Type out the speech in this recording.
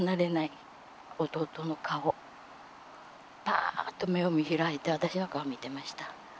パーッと目を見開いて私の顔を見てました。